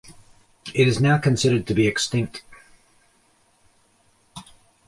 It is now considered to be extinct.